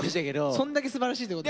そんだけすばらしいってこと。